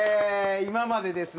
今までですね